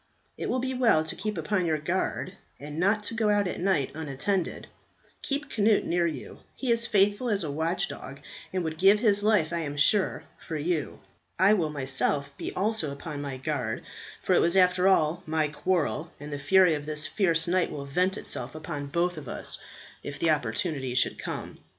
It will be well to keep upon your guard, and not go out at night unattended. Keep Cnut near you; he is faithful as a watch dog, and would give his life, I am sure, for you. I will myself be also upon my guard, for it was after all my quarrel, and the fury of this fierce knight will vent itself upon both of us if the opportunity should come.